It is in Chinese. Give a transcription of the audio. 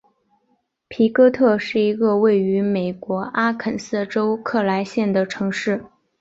皮哥特是一个位于美国阿肯色州克莱县的城市。